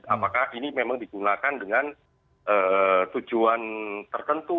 apakah ini memang digunakan dengan tujuan tertentu